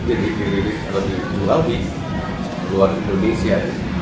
dan bisa direkam di rilis atau di jual di luar indonesia